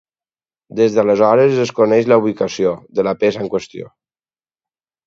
Des d'aleshores es desconeix la ubicació de la peça en qüestió.